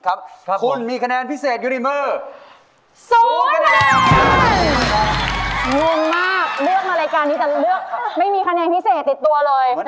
ครับพ่ออีกครับคุณมีคะแนนพิเศษอยู่ในมือ๐เรื่อง